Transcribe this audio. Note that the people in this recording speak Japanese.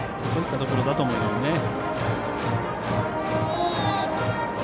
そういったところだと思いますね。